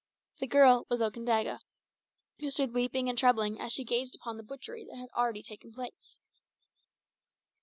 The girl was Okandaga, who stood weeping and trembling as she gazed upon the butchery that had already taken place.